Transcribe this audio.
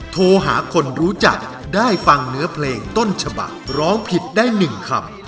โทรหาคนรู้จักได้ฟังเนื้อเพลงต้นฉบักร้องผิดได้๑คำ